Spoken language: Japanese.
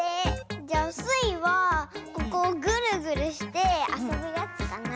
じゃスイはここをグルグルしてあそぶやつかなあ。